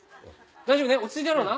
大丈夫ね？